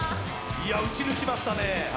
打ち抜きましたね。